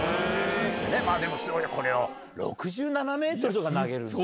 でも、すごい、これを６７メートルとか投げるんだよ。